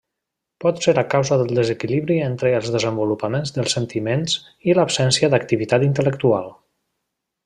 Pot ser a causa del desequilibri entre el desenvolupament dels sentiments i l'absència d'activitat intel·lectual.